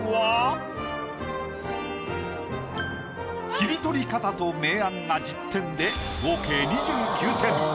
切り取り方と明暗が１０点で合計２９点。